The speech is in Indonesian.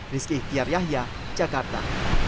rizky tiaryahya jakarta